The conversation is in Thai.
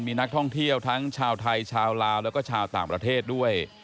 มีนักท่องเที่ยวทั้งชาวไทยชาวลาวแล้วก็ชาวต่างประเทศด้วย